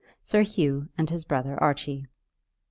SIR HUGH AND HIS BROTHER ARCHIE.